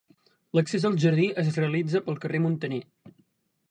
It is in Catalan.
L'accés al jardí es realitza pel carrer de Muntaner.